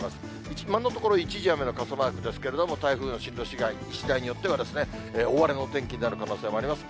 今のところ、一時雨の傘マークですけれども、台風の進路しだいによっては、大荒れのお天気になる可能性もあります。